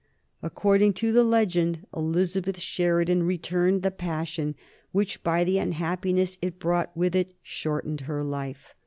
According to the legend Elizabeth Sheridan returned the passion, which by the unhappiness it brought with it shortened her life.